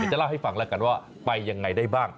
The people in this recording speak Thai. จะเล่าให้ฟังแล้วกันว่าไปยังไงได้บ้าง